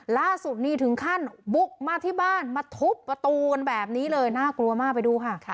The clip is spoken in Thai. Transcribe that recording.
ล่าสุดนี้ถึงขั้นบุกมาที่บ้านมาทุบประตูกันแบบนี้เลยน่ากลัวมากไปดูค่ะ